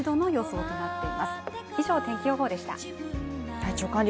体調管理